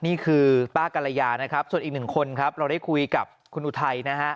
นี่คือป้ากรยานะครับส่วนอีกหนึ่งคนครับเราได้คุยกับคุณอุทัยนะฮะ